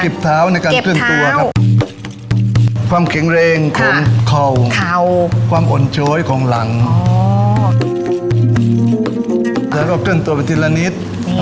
กิบเท้าในการเคลื่อนตัวครับความแข็งเร็งของเข่าความอ่อนโชยของหลังแล้วก็เคลื่อนตัวไปทีละนิด